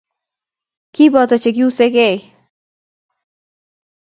Kiboto che Kiusekei